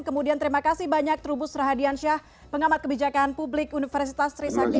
kemudian terima kasih banyak trubus rahadian syah pengamat kebijakan publik universitas trisanti